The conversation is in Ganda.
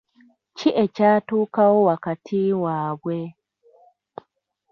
Ki ekyatuukawo wakati waabwe?